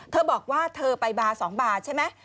เธอบอกว่าเธอไปบาร์๒บาทใช่ไหม